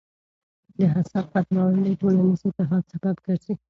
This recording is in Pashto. د حسد ختمول د ټولنیز اتحاد سبب ګرځي.